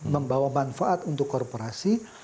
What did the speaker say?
membawa manfaat untuk korporasi